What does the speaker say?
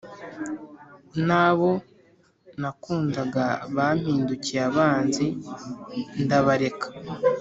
Nabo nakundaga bampindukiye abanzi ndabareka